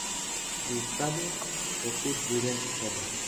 Zůstanu, pokud bude třeba.